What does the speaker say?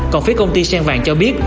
còn phía công ty sen vàng cho biết